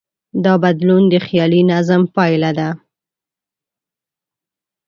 دا بدلون د خیالي نظم پایله ده.